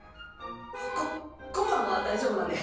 こっ今晩は大丈夫なんでっ。